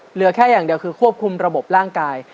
เหลือแค่อย่างเดียวคือควบคุมระบบร่างกาย